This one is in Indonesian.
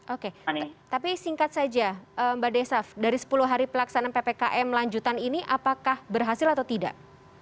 oke tapi singkat saja mbak desaf dari sepuluh hari pelaksanaan ppkm lanjutan ini apakah berhasil atau tidak